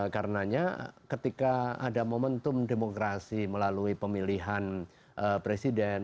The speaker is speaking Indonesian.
karenanya ketika ada momentum demokrasi melalui pemilihan presiden